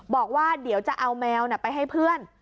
บอกว่าเดี๋ยวจะเอาแมวไปให้เพื่อน